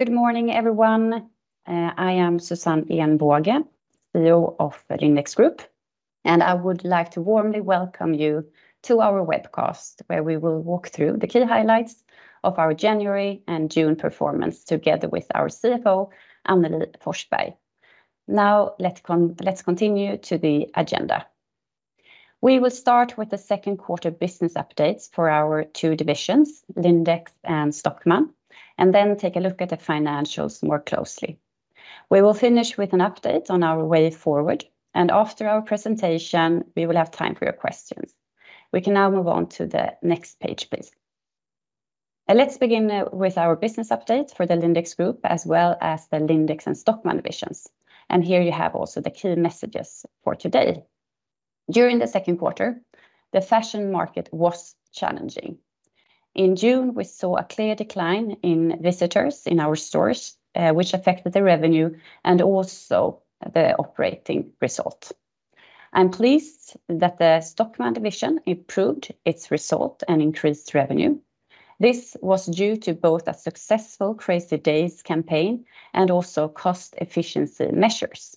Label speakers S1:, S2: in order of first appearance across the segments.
S1: Good morning, everyone. I am Susanne Ehnbåge, CEO of Lindex Group, and I would like to warmly welcome you to our webcast, where we will walk through the key highlights of our January and June performance together with our CFO, Annelie Forsberg. Now, let's continue to the agenda. We will start with the second quarter business updates for our two divisions, Lindex and Stockmann, and then take a look at the financials more closely. We will finish with an update on our way forward, and after our presentation, we will have time for your questions. We can now move on to the next page, please. Let's begin with our business update for the Lindex Group, as well as the Lindex and Stockmann divisions. And here you have also the key messages for today. During the second quarter, the fashion market was challenging. In June, we saw a clear decline in visitors in our stores, which affected the revenue and also the operating result. I'm pleased that the Stockmann division improved its result and increased revenue. This was due to both a successful Crazy Days campaign and also cost efficiency measures.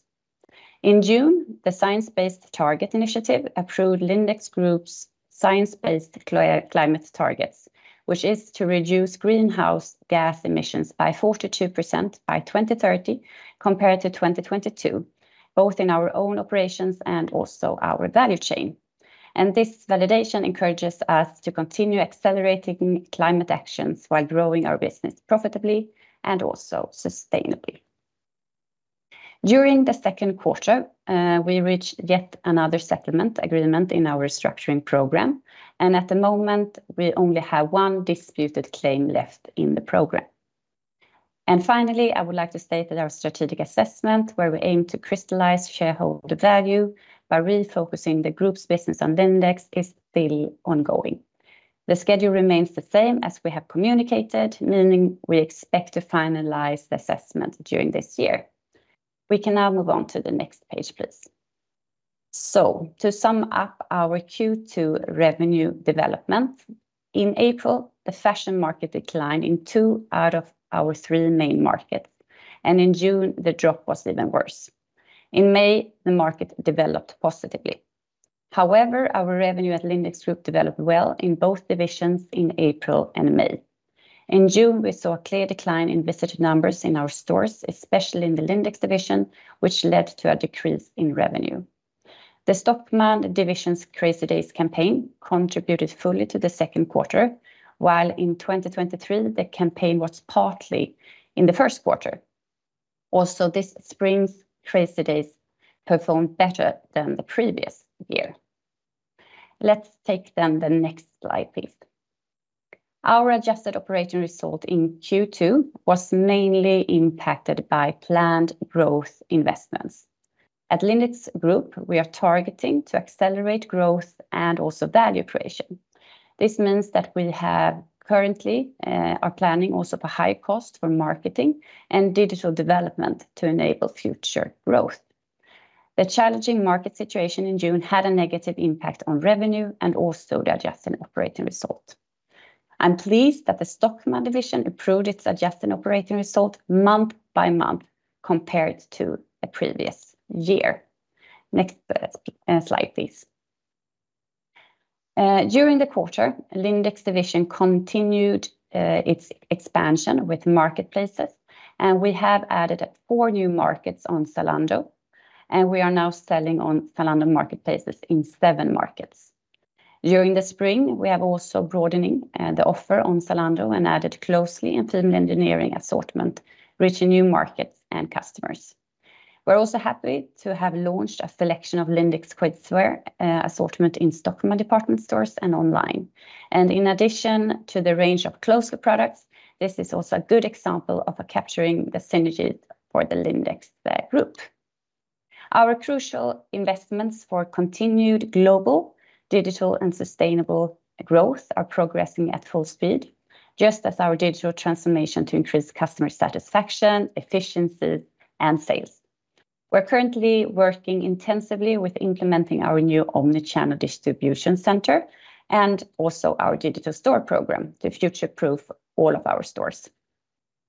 S1: In June, the Science Based Targets initiative approved Lindex Group's science-based climate targets, which is to reduce greenhouse gas emissions by 42% by 2030, compared to 2022, both in our own operations and also our value chain. And this validation encourages us to continue accelerating climate actions while growing our business profitably and also sustainably. During the second quarter, we reached yet another settlement agreement in our restructuring program, and at the moment, we only have one disputed claim left in the program. Finally, I would like to state that our strategic assessment, where we aim to crystallize shareholder value by refocusing the group's business on Lindex, is still ongoing. The schedule remains the same as we have communicated, meaning we expect to finalize the assessment during this year. We can now move on to the next page, please. To sum up our Q2 revenue development, in April, the fashion market declined in two out of our three main markets, and in June, the drop was even worse. In May, the market developed positively. However, our revenue at Lindex Group developed well in both divisions in April and May. In June, we saw a clear decline in visitor numbers in our stores, especially in the Lindex division, which led to a decrease in revenue. The Stockmann division's Crazy Days campaign contributed fully to the second quarter, while in 2023, the campaign was partly in the first quarter. Also, this spring's Crazy Days performed better than the previous year. Let's take then the next slide, please. Our adjusted operating result in Q2 was mainly impacted by planned growth investments. At Lindex Group, we are targeting to accelerate growth and also value creation. This means that we have currently, are planning also for high cost for marketing and digital development to enable future growth. The challenging market situation in June had a negative impact on revenue and also the adjusted operating result. I'm pleased that the Stockmann division improved its adjusted operating result month by month compared to the previous year. Next, slide, please. During the quarter, Lindex division continued its expansion with marketplaces, and we have added four new markets on Zalando, and we are now selling on Zalando marketplaces in seven markets. During the spring, we have also broadening the offer on Zalando and added Closely and Female Engineering assortment, reaching new markets and customers. We're also happy to have launched a selection of Lindex Kidswear assortment in Stockmann department stores and online. In addition to the range of closer products, this is also a good example of capturing the synergies for the Lindex, the group. Our crucial investments for continued global, digital, and sustainable growth are progressing at full speed, just as our digital transformation to increase customer satisfaction, efficiency, and sales. We're currently working intensively with implementing our new omni-channel distribution center and also our digital store program to future-proof all of our stores.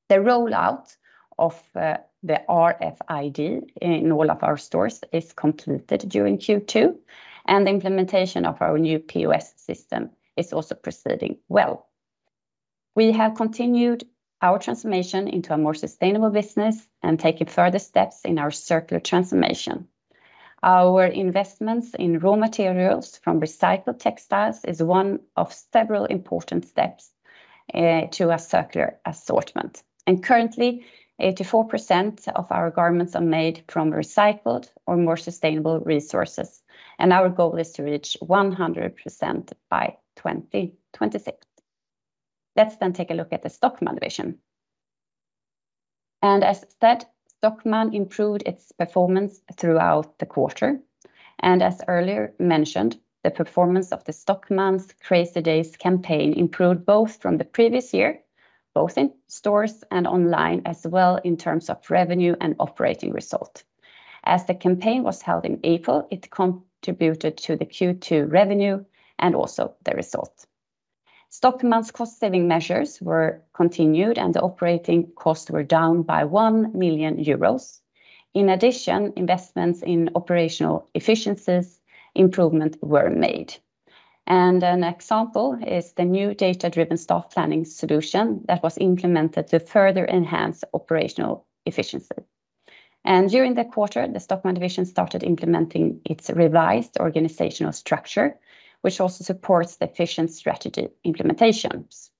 S1: The rollout of the RFID in all of our stores is completed during Q2, and the implementation of our new POS system is also proceeding well. We have continued our transformation into a more sustainable business and taken further steps in our circular transformation. Our investments in raw materials from recycled textiles is one of several important steps to a circular assortment. Currently, 84% of our garments are made from recycled or more sustainable resources, and our goal is to reach 100% by 2026. Let's then take a look at the Stockmann division. As said, Stockmann improved its performance throughout the quarter, and as earlier mentioned, the performance of the Stockmann's Crazy Days campaign improved both from the previous year, both in stores and online, as well in terms of revenue and operating result. As the campaign was held in April, it contributed to the Q2 revenue and also the result. Stockmann's cost saving measures were continued, and the operating costs were down by 1 million euros. In addition, investments in operational efficiencies improvement were made. An example is the new data-driven staff planning solution that was implemented to further enhance operational efficiency. During the quarter, the Stockmann division started implementing its revised organizational structure, which also supports the efficient strategy implementations.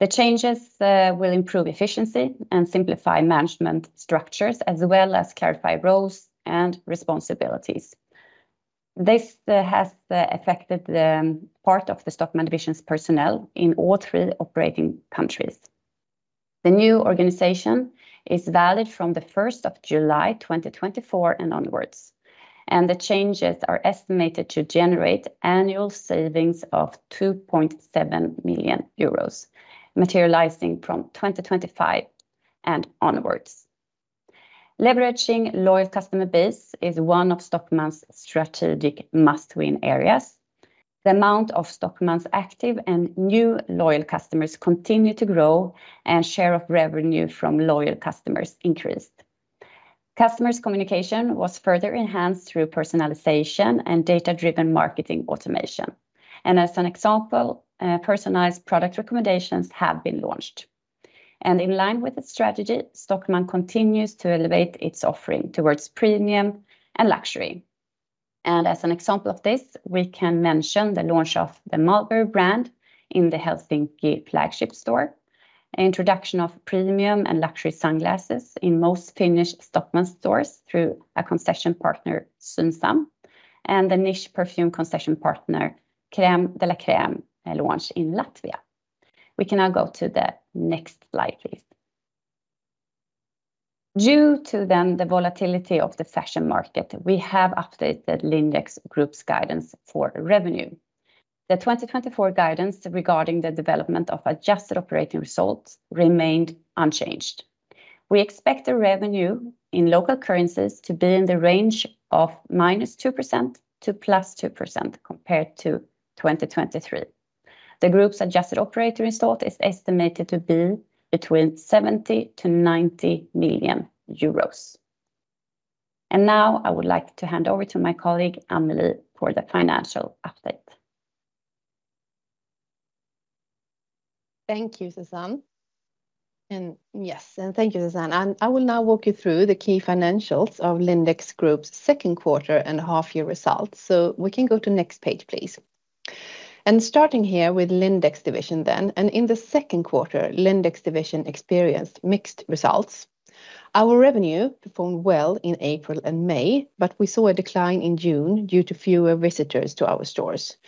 S1: The changes will improve efficiency and simplify management structures, as well as clarify roles and responsibilities. This has affected the part of the Stockmann division's personnel in all three operating countries. The new organization is valid from the 1st of July 2024 and onwards, and the changes are estimated to generate annual savings of 2.7 million euros, materializing from 2025 and onwards. Leveraging loyal customer base is one of Stockmann's strategic must-win areas. The amount of Stockmann's active and new loyal customers continue to grow, and share of revenue from loyal customers increased. Customers' communication was further enhanced through personalization and data-driven marketing automation. As an example, personalized product recommendations have been launched. In line with its strategy, Stockmann continues to elevate its offering towards premium and luxury. As an example of this, we can mention the launch of the Mulberry brand in the Helsinki flagship store, introduction of premium and luxury sunglasses in most Finnish Stockmann stores through a concession partner, Synsam, and the niche perfume concession partner, Crème de la Crème, launched in Latvia. We can now go to the next slide, please. Due to the volatility of the fashion market, we have updated the Lindex Group's guidance for revenue. The 2024 guidance regarding the development of adjusted operating results remained unchanged. We expect the revenue in local currencies to be in the range of -2% to +2% compared to 2023. The group's adjusted operating result is estimated to be between 70-90 million euros. Now I would like to hand over to my colleague, Annelie, for the financial update.
S2: Thank you, Susanne. And yes, and thank you, Susanne. And I will now walk you through the key financials of Lindex Group's second quarter and half year results. We can go to next page, please. Starting here with Lindex division then, in the second quarter, Lindex division experienced mixed results. Our revenue performed well in April and May, but we saw a decline in June due to fewer visitors to our stores.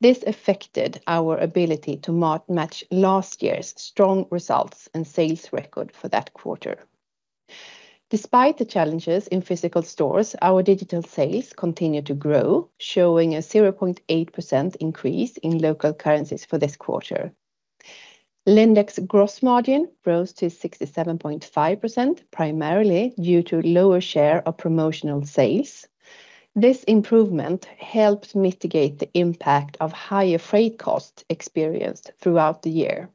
S2: This affected our ability to match last year's strong results and sales record for that quarter. Despite the challenges in physical stores, our digital sales continued to grow, showing a 0.8% increase in local currencies for this quarter. Lindex gross margin rose to 67.5%, primarily due to lower share of promotional sales. This improvement helped mitigate the impact of higher freight costs experienced throughout the year.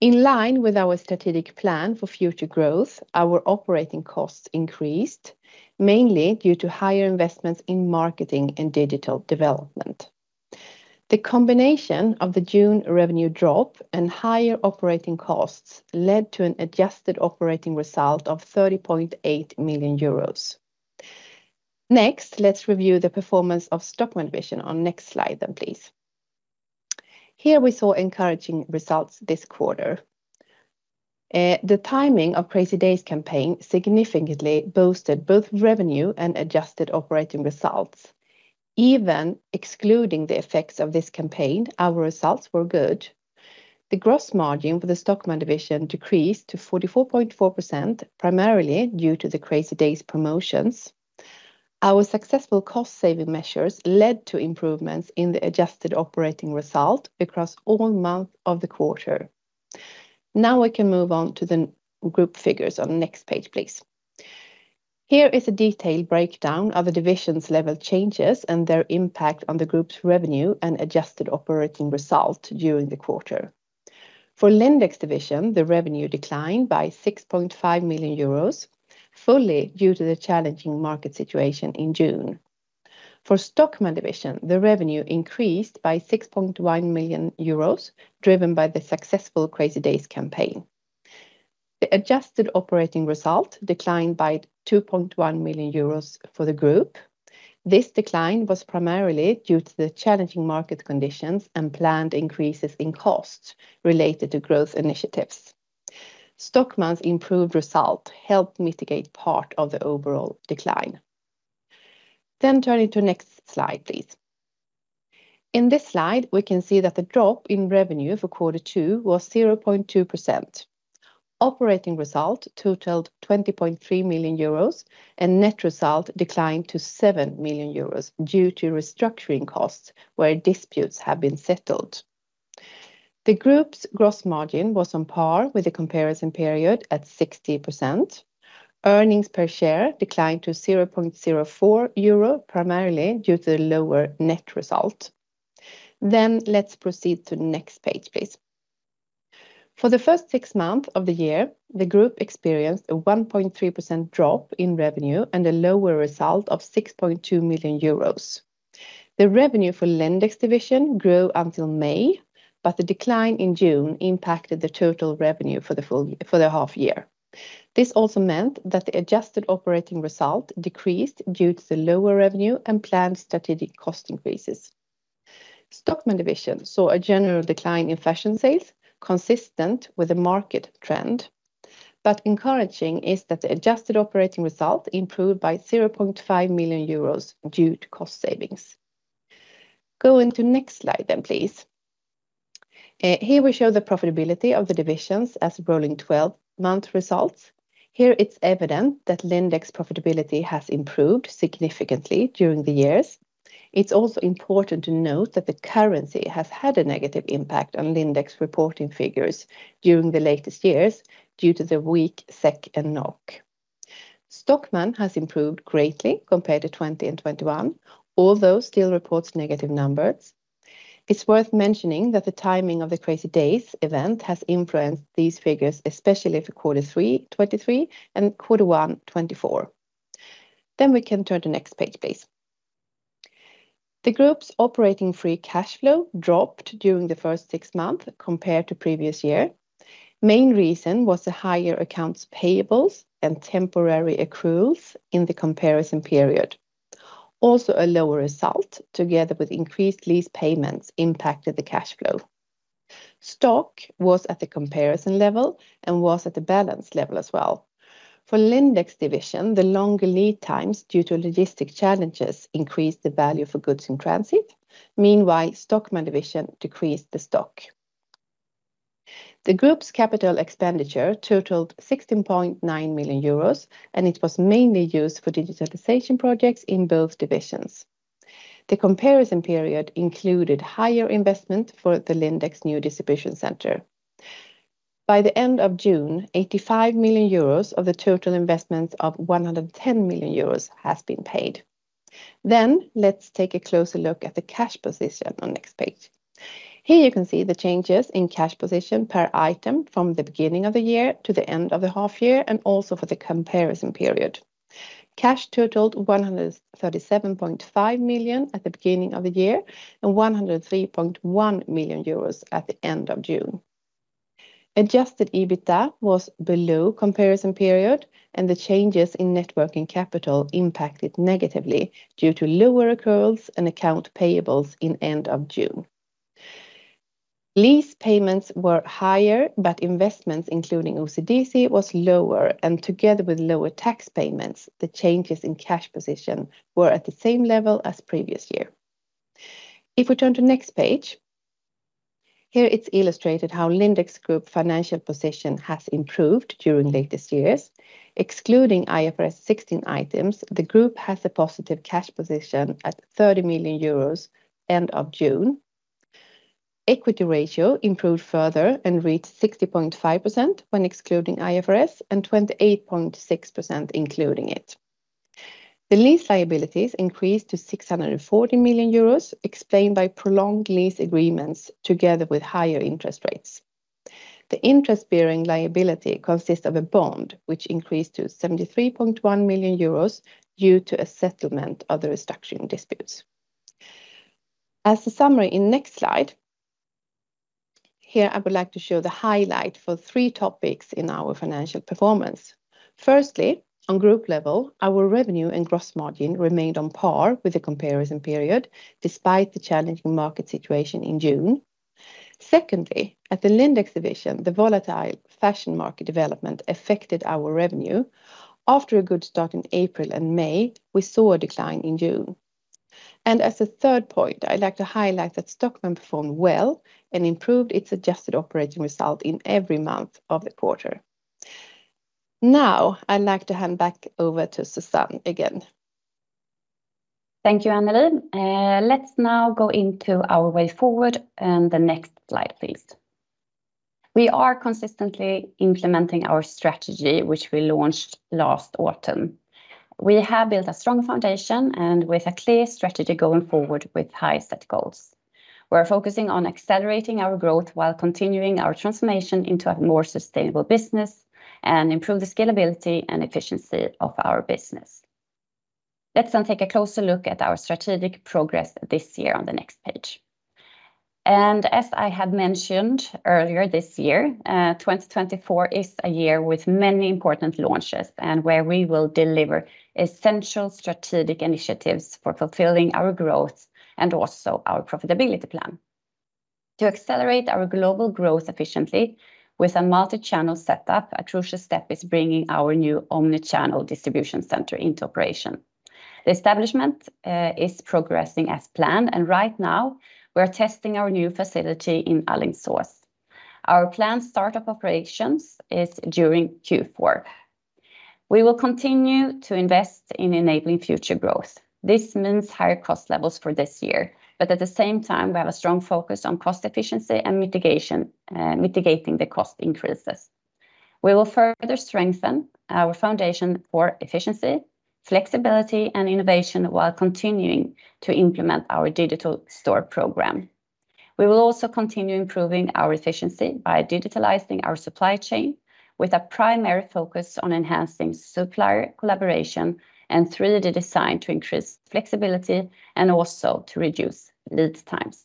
S2: In line with our strategic plan for future growth, our operating costs increased, mainly due to higher investments in marketing and digital development. The combination of the June revenue drop and higher operating costs led to an adjusted operating result of 30.8 million euros. Next, let's review the performance of Stockmann division on next slide, then please. Here we saw encouraging results this quarter. The timing of Crazy Days campaign significantly boosted both revenue and adjusted operating results. Even excluding the effects of this campaign, our results were good. The gross margin for the Stockmann division decreased to 44.4%, primarily due to the Crazy Days promotions. Our successful cost-saving measures led to improvements in the adjusted operating result across all months of the quarter. Now, we can move on to the group figures on next page, please. Here is a detailed breakdown of the divisions-level changes and their impact on the group's revenue and adjusted operating result during the quarter. For Lindex division, the revenue declined by 6.5 million euros, fully due to the challenging market situation in June. For Stockmann division, the revenue increased by 6.1 million euros, driven by the successful Crazy Days campaign. The adjusted operating result declined by 2.1 million euros for the group. This decline was primarily due to the challenging market conditions and planned increases in costs related to growth initiatives. Stockmann's improved result helped mitigate part of the overall decline. Then turning to next slide, please. In this slide, we can see that the drop in revenue for quarter two was 0.2%. Operating result totaled 20.3 million euros, and net result declined to 7 million euros due to restructuring costs, where disputes have been settled... The group's gross margin was on par with the comparison period at 60%. Earnings per share declined to 0.04 euro, primarily due to the lower net result. Then let's proceed to the next page, please. For the first six months of the year, the group experienced a 1.3% drop in revenue and a lower result of 6.2 million euros. The revenue for Lindex division grew until May, but the decline in June impacted the total revenue for the full year - for the half year. This also meant that the adjusted operating result decreased due to the lower revenue and planned strategic cost increases. Stockmann division saw a general decline in fashion sales, consistent with the market trend, but encouraging is that the Adjusted Operating Result improved by 0.5 million euros due to cost savings. Go into next slide then, please. Here we show the profitability of the divisions as rolling 12-month results. Here, it's evident that Lindex profitability has improved significantly during the years. It's also important to note that the currency has had a negative impact on Lindex reporting figures during the latest years due to the weak SEK and NOK. Stockmann has improved greatly compared to 2020 and 2021, although still reports negative numbers. It's worth mentioning that the timing of the Crazy Days event has influenced these figures, especially for quarter 3, 2023, and quarter 1, 2024. Then we can turn to next page, please. The group's Operating Free Cash Flow dropped during the first 6 months compared to previous year. Main reason was the higher accounts payables and temporary accruals in the comparison period. Also, a lower result, together with increased lease payments, impacted the cash flow. Stock was at the comparison level and was at the balance level as well. For Lindex division, the longer lead times due to logistic challenges increased the value for goods in transit. Meanwhile, Stockmann division decreased the stock. The group's Capital Expenditure totaled 16.9 million euros, and it was mainly used for digitalization projects in both divisions. The comparison period included higher investment for the Lindex new distribution center. By the end of June, 85 million euros of the total investments of 110 million euros has been paid. Let's take a closer look at the cash position on next page. Here you can see the changes in cash position per item from the beginning of the year to the end of the half year, and also for the comparison period. Cash totaled 137.5 million at the beginning of the year and 103.1 million euros at the end of June. Adjusted EBITDA was below comparison period, and the changes in net working capital impacted negatively due to lower accruals and account payables in end of June. Lease payments were higher, but investments, including OCDC, was lower, and together with lower tax payments, the changes in cash position were at the same level as previous year. If we turn to next page, here, it's illustrated how Lindex Group financial position has improved during latest years. Excluding IFRS 16 items, the group has a positive cash position at 30 million euros end of June. Equity ratio improved further and reached 60.5% when excluding IFRS 16 and 28.6% including it. The lease liabilities increased to 640 million euros, explained by prolonged lease agreements together with higher interest rates. The interest-bearing liability consists of a bond which increased to 73.1 million euros due to a settlement of the restructuring disputes. As a summary in next slide, here, I would like to show the highlight for three topics in our financial performance. Firstly, on group level, our revenue and gross margin remained on par with the comparison period, despite the challenging market situation in June. Secondly, at the Lindex division, the volatile fashion market development affected our revenue. After a good start in April and May, we saw a decline in June. As a third point, I'd like to highlight that Stockmann performed well and improved its Adjusted Operating Result in every month of the quarter. Now, I'd like to hand back over to Susanne again.
S1: Thank you, Annelie. Let's now go into our way forward and the next slide, please. We are consistently implementing our strategy, which we launched last autumn. We have built a strong foundation and with a clear strategy going forward with high set goals. We're focusing on accelerating our growth while continuing our transformation into a more sustainable business and improve the scalability and efficiency of our business. Let's now take a closer look at our strategic progress this year on the next page. As I had mentioned earlier this year, 2024 is a year with many important launches and where we will deliver essential strategic initiatives for fulfilling our growth and also our profitability plan. To accelerate our global growth efficiently with a multi-channel setup, a crucial step is bringing our new omni-channel distribution center into operation. The establishment is progressing as planned, and right now, we're testing our new facility in Alingsås. Our planned start-up operations is during Q4. We will continue to invest in enabling future growth. This means higher cost levels for this year, but at the same time, we have a strong focus on cost efficiency and mitigation, mitigating the cost increases. We will further strengthen our foundation for efficiency, flexibility, and innovation while continuing to implement our digital store program. We will also continue improving our efficiency by digitalizing our supply chain, with a primary focus on enhancing supplier collaboration and 3D design to increase flexibility, and also to reduce lead times.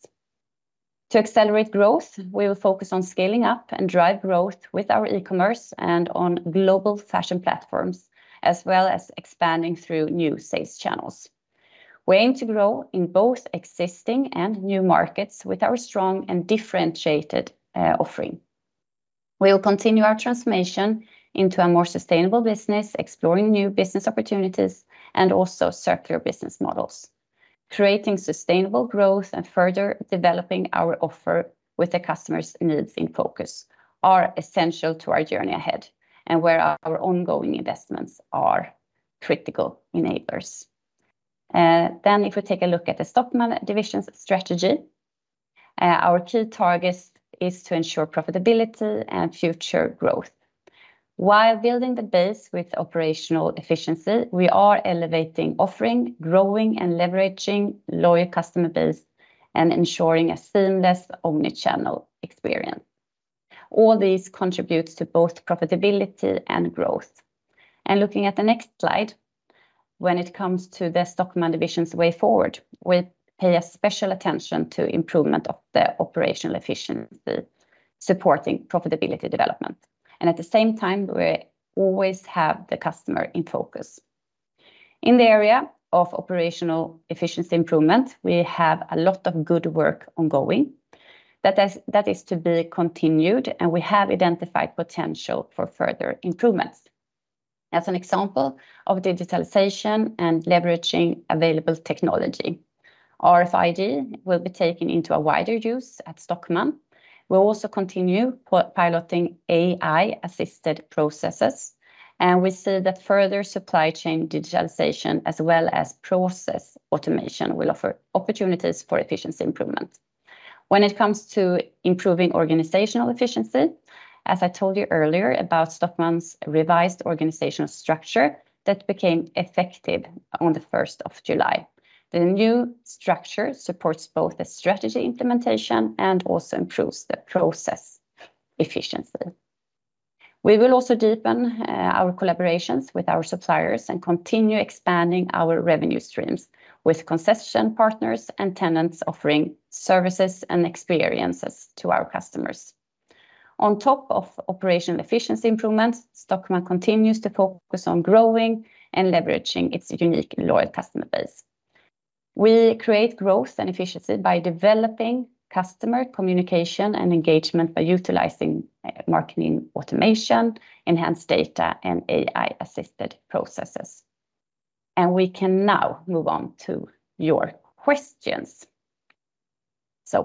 S1: To accelerate growth, we will focus on scaling up and drive growth with our e-commerce and on global fashion platforms, as well as expanding through new sales channels. We aim to grow in both existing and new markets with our strong and differentiated offering. We will continue our transformation into a more sustainable business, exploring new business opportunities and also circular business models. Creating sustainable growth and further developing our offer with the customer's needs in focus, are essential to our journey ahead, and where our ongoing investments are critical enablers. Then, if we take a look at the Stockmann division's strategy, our key targets is to ensure profitability and future growth. While building the base with operational efficiency, we are elevating, offering, growing, and leveraging loyal customer base, and ensuring a seamless omni-channel experience. All these contributes to both profitability and growth. Looking at the next slide, when it comes to the Stockmann division's way forward, we pay a special attention to improvement of the operational efficiency, supporting profitability development. And at the same time, we always have the customer in focus. In the area of operational efficiency improvement, we have a lot of good work ongoing. That is to be continued, and we have identified potential for further improvements. As an example of digitalization and leveraging available technology, RFID will be taken into a wider use at Stockmann. We'll also continue piloting AI-assisted processes, and we see that further supply chain digitalization, as well as process automation, will offer opportunities for efficiency improvement. When it comes to improving organizational efficiency, as I told you earlier, about Stockmann's revised organizational structure, that became effective on the first of July. The new structure supports both the strategy implementation and also improves the process efficiency. We will also deepen our collaborations with our suppliers and continue expanding our revenue streams with concession partners and tenants offering services and experiences to our customers. On top of operational efficiency improvements, Stockmann continues to focus on growing and leveraging its unique and loyal customer base. We create growth and efficiency by developing customer communication and engagement by utilizing marketing automation, enhanced data, and AI-assisted processes. We can now move on to your questions.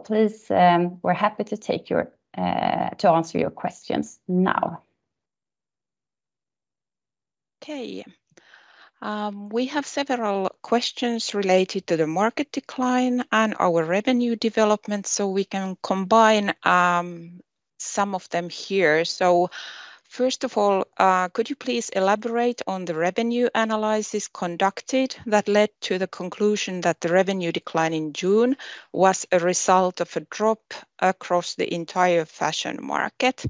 S1: Please, we're happy to take your to answer your questions now.
S3: Okay, we have several questions related to the market decline and our revenue development, so we can combine some of them here. So first of all, could you please elaborate on the revenue analysis conducted that led to the conclusion that the revenue decline in June was a result of a drop across the entire fashion market?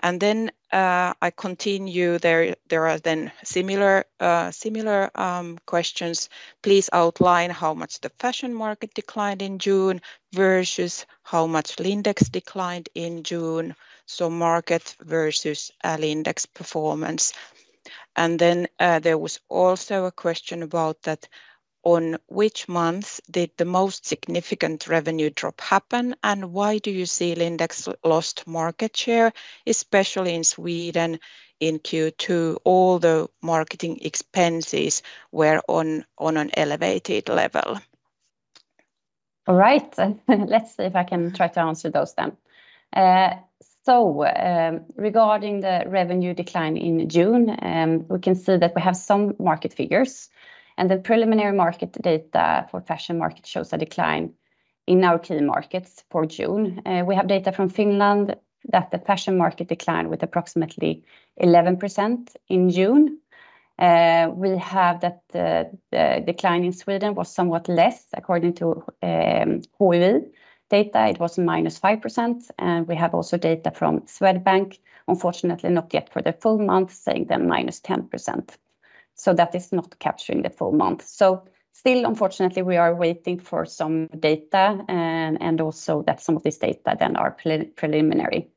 S3: And then, I continue, there are then similar questions. Please outline how much the fashion market declined in June versus how much Lindex declined in June, so market versus Lindex performance. And then, there was also a question about that, on which month did the most significant revenue drop happen, and why do you see Lindex lost market share, especially in Sweden, in Q2, all the marketing expenses were on an elevated level?
S1: All right, let's see if I can try to answer those then. So, regarding the revenue decline in June, we can see that we have some market figures, and the preliminary market data for fashion market shows a decline in our key markets for June. We have data from Finland that the fashion market declined with approximately 11% in June. We have that the decline in Sweden was somewhat less according to HUI data. It was -5%, and we have also data from Swedbank. Unfortunately, not yet for the full month, saying that -10%. So that is not capturing the full month. So still, unfortunately, we are waiting for some data, and also that some of these data then are preliminary.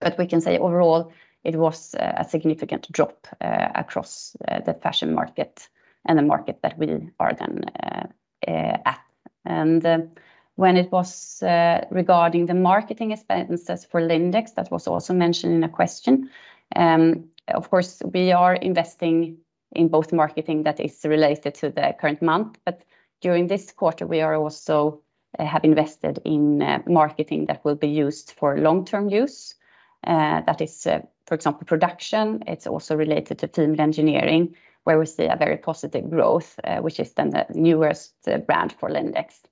S1: But we can say overall, it was a significant drop across the fashion market and the market that we are then at. And when it was regarding the marketing expenses for Lindex, that was also mentioned in a question. Of course, we are investing in both marketing that is related to the current month, but during this quarter, we are also have invested in marketing that will be used for long-term use. That is, for example, production. It's also related to Female Engineering, where we see a very positive growth, which is then the newest brand for Lindex.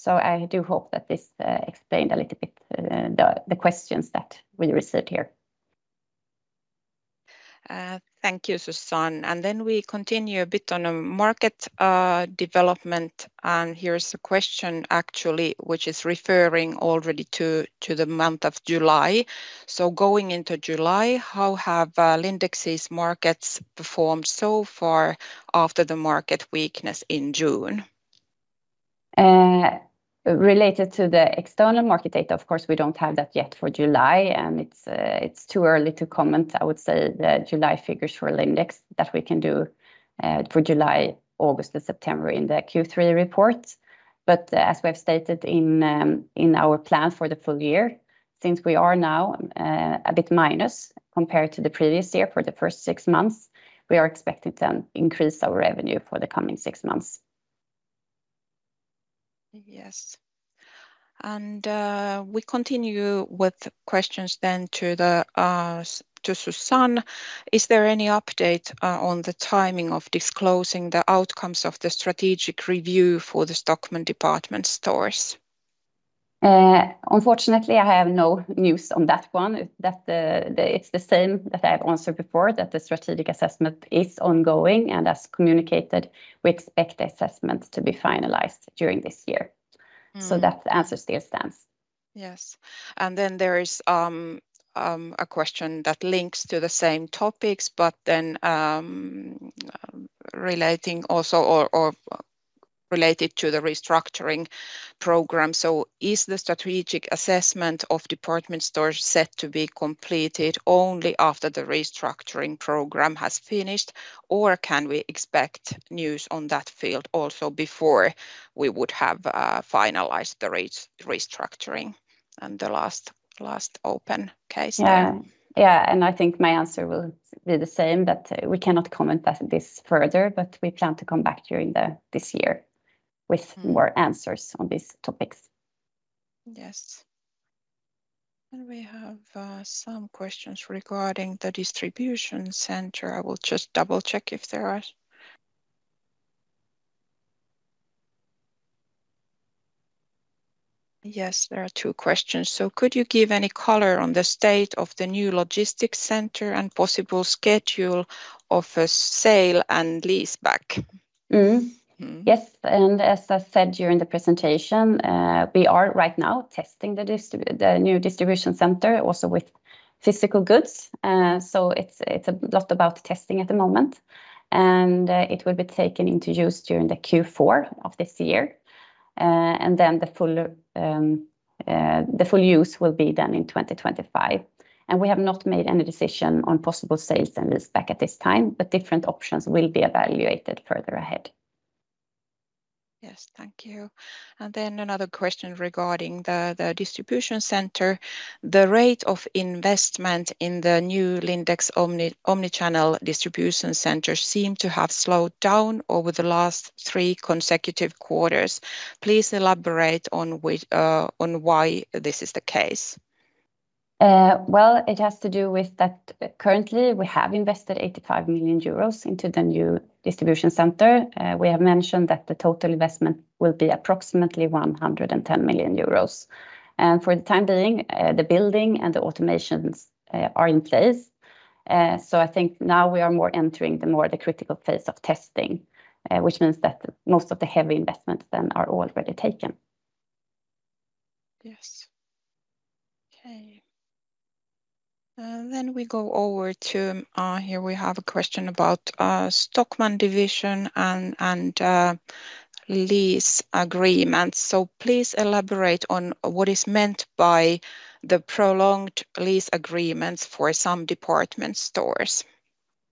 S1: So I do hope that this explained a little bit the questions that we received here.
S3: Thank you, Susanne. And then we continue a bit on market development, and here's a question actually, which is referring already to the month of July. So going into July, how have Lindex's markets performed so far after the market weakness in June?
S1: Related to the external market data, of course, we don't have that yet for July, and it's too early to comment. I would say the July figures for Lindex, that we can do for July, August, and September in the Q3 report. But as we have stated in our plan for the full year, since we are now a bit minus compared to the previous year for the first six months, we are expected to increase our revenue for the coming six months.
S3: Yes. We continue with questions, then, to Susanne. Is there any update on the timing of disclosing the outcomes of the strategic review for the Stockmann department stores?
S1: Unfortunately, I have no news on that one. It's the same that I've answered before, that the strategic assessment is ongoing, and as communicated, we expect the assessments to be finalized during this year.
S3: Mm.
S1: That answer still stands.
S3: Yes. And then there is a question that links to the same topics, but then relating also or related to the restructuring program. So is the strategic assessment of department stores set to be completed only after the restructuring program has finished, or can we expect news on that field also before we would have finalized the restructuring and the last open case?
S1: Yeah. Yeah, and I think my answer will be the same, that we cannot comment that this further, but we plan to come back during the, this year-
S3: Mm
S1: with more answers on these topics.
S3: Yes. And we have some questions regarding the distribution center. I will just double-check if there are... Yes, there are two questions. So could you give any color on the state of the new logistics center and possible schedule of a sale and leaseback?
S1: Mm.
S3: Mm.
S1: Yes, and as I said during the presentation, we are right now testing the new distribution center, also with physical goods. So it's a lot about testing at the moment, and it will be taken into use during the Q4 of this year. And then the full use will be done in 2025, and we have not made any decision on possible sales and leaseback at this time, but different options will be evaluated further ahead.
S3: Yes, thank you. And then another question regarding the distribution center. The rate of investment in the new Lindex omni-channel distribution center seems to have slowed down over the last three consecutive quarters. Please elaborate on which, on why this is the case.
S1: Well, it has to do with that currently, we have invested 85 million euros into the new distribution center. We have mentioned that the total investment will be approximately 110 million euros. And for the time being, the building and the automations are in place. So I think now we are more entering the more the critical phase of testing, which means that most of the heavy investments then are already taken.
S3: Yes. Okay. Then we go over to, here we have a question about, Stockmann division and, lease agreements. So please elaborate on what is meant by the prolonged lease agreements for some department stores.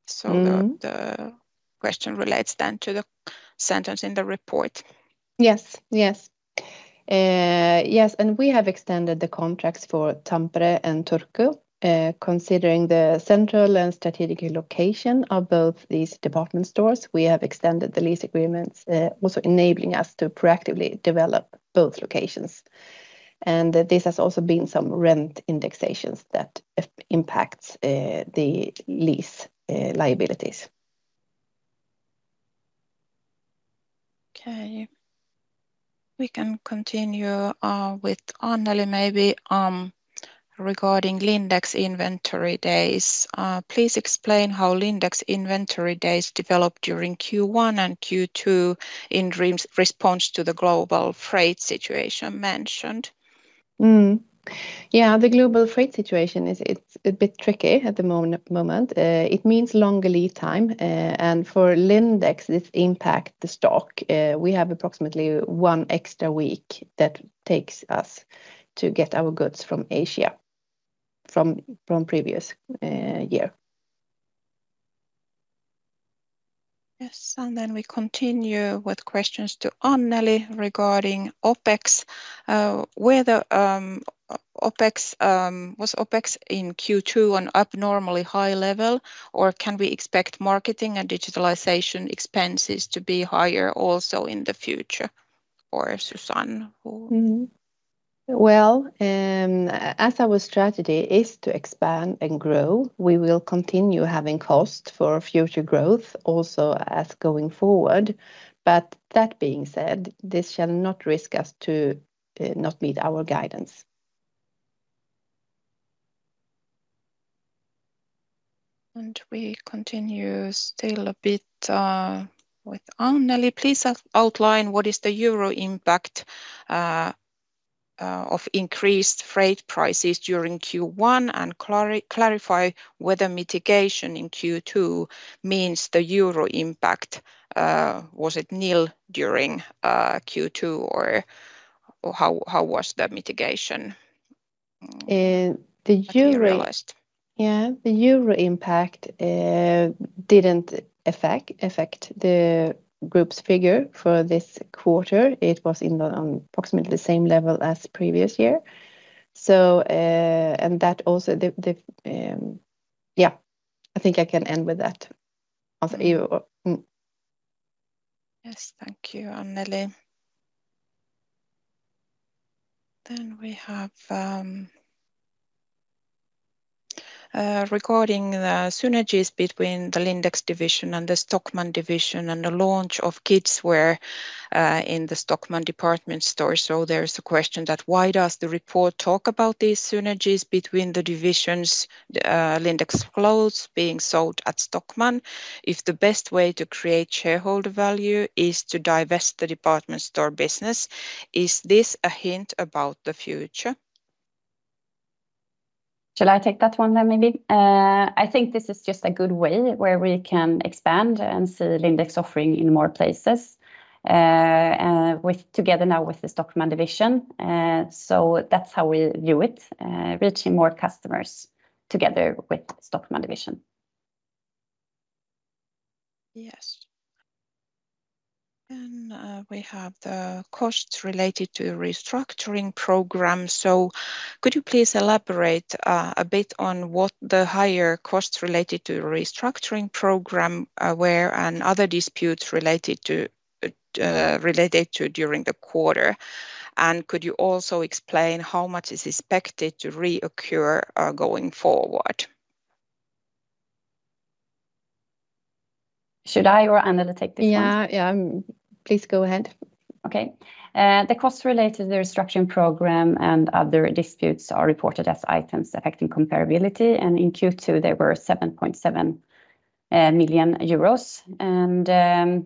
S1: Mm-hmm.
S3: The question relates then to the sentence in the report.
S1: Yes, yes. Yes, and we have extended the contracts for Tampere and Turku. Considering the central and strategic location of both these department stores, we have extended the lease agreements, also enabling us to proactively develop both locations. And this has also been some rent indexations that impacts the lease liabilities.
S3: Okay. We can continue with Annelie maybe regarding Lindex inventory days. Please explain how Lindex inventory days developed during Q1 and Q2 in response to the global freight situation mentioned.
S2: Yeah, the global freight situation is. It's a bit tricky at the moment. It means longer lead time, and for Lindex, this impact the stock. We have approximately one extra week that takes us to get our goods from Asia, from previous year....
S3: Yes, and then we continue with questions to Annelie regarding OpEx. Whether OpEx in Q2 was an abnormally high level, or can we expect marketing and digitalization expenses to be higher also in the future? Or Susanne, who-
S2: Mm-hmm. Well, as our strategy is to expand and grow, we will continue having costs for future growth also as going forward. But that being said, this shall not risk us to not meet our guidance.
S3: And we continue still a bit with Annelie. Please outline what is the EUR impact of increased freight prices during Q1, and clarify whether mitigation in Q2 means the EUR impact was it nil during Q2, or how was that mitigation-
S2: The euro-
S3: Realized?
S2: Yeah, the euro impact didn't affect the group's figure for this quarter. It was on approximately the same level as previous year. So, and that also. Yeah, I think I can end with that. Of the euro.
S3: Yes, thank you, Annelie. Then we have regarding the synergies between the Lindex division and the Stockmann division, and the launch of kidswear in the Stockmann department store. So there's a question: Why does the report talk about these synergies between the divisions, Lindex clothes being sold at Stockmann, if the best way to create shareholder value is to divest the department store business? Is this a hint about the future?
S1: Shall I take that one then, maybe? I think this is just a good way where we can expand and sell Lindex offering in more places, with together now with the Stockmann division. So that's how we view it, reaching more customers together with Stockmann division.
S3: Yes. Then, we have the costs related to restructuring program. So could you please elaborate, a bit on what the higher costs related to restructuring program were, and other disputes related to during the quarter? And could you also explain how much is expected to reoccur, going forward?
S1: Should I or Annelie take this one?
S2: Yeah, yeah. Please go ahead.
S1: Okay. The costs related to the restructuring program and other disputes are reported as items affecting comparability, and in Q2, they were 7.7 million euros. And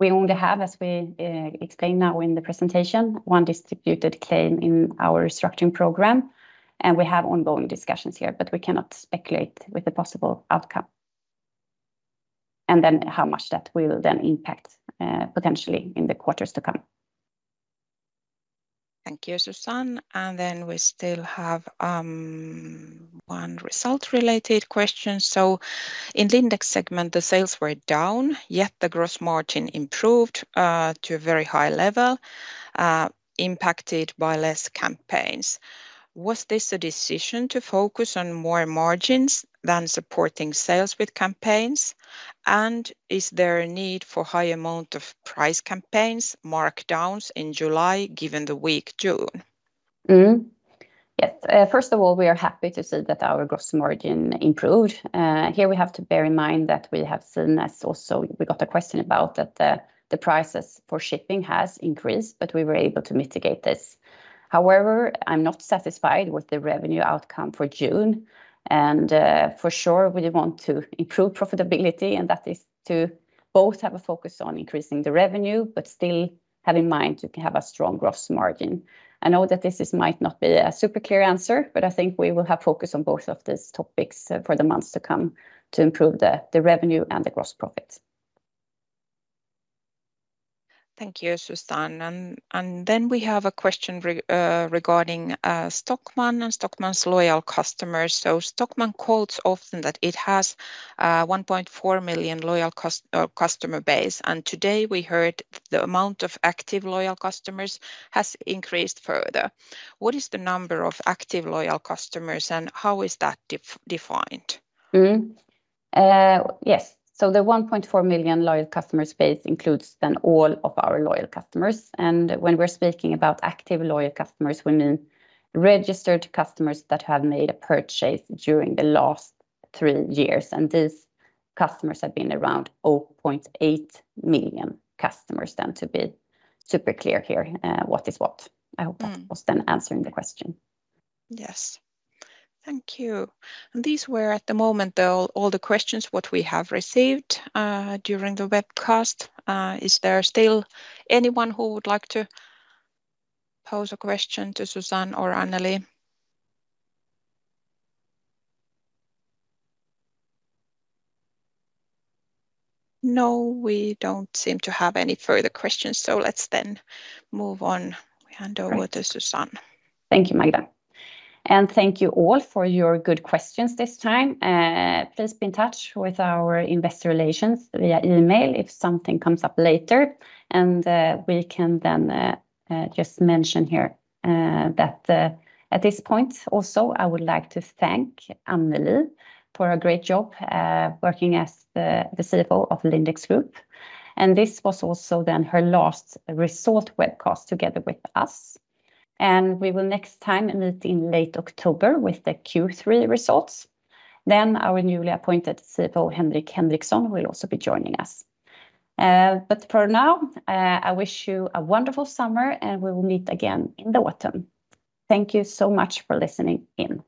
S1: we only have, as we explained now in the presentation, one disputed claim in our restructuring program, and we have ongoing discussions here, but we cannot speculate with the possible outcome, and then how much that will then impact potentially in the quarters to come.
S3: Thank you, Susanne. And then we still have one result-related question. So in Lindex segment, the sales were down, yet the gross margin improved to a very high level, impacted by less campaigns. Was this a decision to focus on more margins than supporting sales with campaigns? And is there a need for high amount of price campaigns, markdowns in July, given the weak June?
S1: Yes. First of all, we are happy to see that our gross margin improved. Here we have to bear in mind that we have seen, as we also got a question about, that the prices for shipping has increased, but we were able to mitigate this. However, I'm not satisfied with the revenue outcome for June, and, for sure, we want to improve profitability, and that is to both have a focus on increasing the revenue, but still have in mind to have a strong gross margin. I know that this is might not be a super clear answer, but I think we will have focus on both of these topics for the months to come to improve the revenue and the gross profit.
S3: Thank you, Susanne. Then we have a question regarding Stockmann and Stockmann's loyal customers. So Stockmann quotes often that it has 1.4 million loyal customer base, and today we heard the amount of active loyal customers has increased further. What is the number of active loyal customers, and how is that defined?
S1: Mm-hmm. Yes, so the 1.4 million loyal customer base includes then all of our loyal customers, and when we're speaking about active loyal customers, we mean registered customers that have made a purchase during the last three years, and these customers have been around 0.8 million customers. Then to be super clear here, what is what.
S3: Mm.
S1: I hope that was then answering the question.
S3: Yes. Thank you. These were, at the moment, the, all the questions what we have received, during the webcast. Is there still anyone who would like to pose a question to Susanne or Annelie? No, we don't seem to have any further questions, so let's then move on and hand over to Susanne.
S1: Thank you, Magda. Thank you all for your good questions this time. Please be in touch with our investor relations via email if something comes up later, and we can then just mention here that at this point also, I would like to thank Annelie for a great job working as the CFO of Lindex Group. This was also then her last result webcast together with us, and we will next time meet in late October with the Q3 results. Our newly appointed CFO, Henrik Henriksson, will also be joining us. But for now, I wish you a wonderful summer, and we will meet again in the autumn. Thank you so much for listening in.